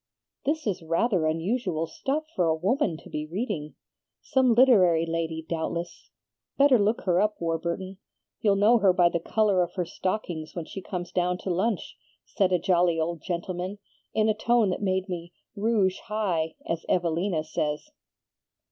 "'This is rather unusual stuff for a woman to be reading. Some literary lady doubtless. Better look her up, Warburton. You'll know her by the color of her stockings when she comes down to lunch,' said a jolly old gentlenoan, in a tone that made me 'rouge high,' as Evelina says.